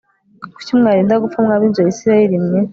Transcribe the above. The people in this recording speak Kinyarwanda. Kuki mwarinda gupfa mwa binzu ya Isirayeli mwe